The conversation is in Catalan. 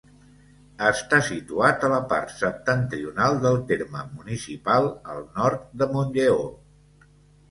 Està situat a la part septentrional del terme municipal, al nord de Montlleó.